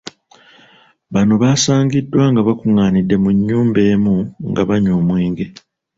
Bano basangiddwa nga bakungaanidde mu nnyumba emu nga banywa omwenge.